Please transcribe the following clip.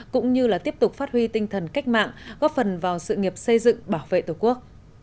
cũng như tiếp tục phát huy tinh thần cách mạng góp phần vào sự nghiệp xây dựng bảo vệ tổ quốc